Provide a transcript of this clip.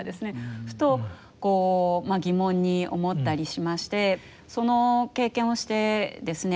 ふと疑問に思ったりしましてその経験をしてですね